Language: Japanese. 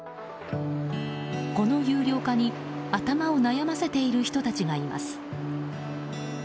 この有料化に頭を悩ませている人たちがいます。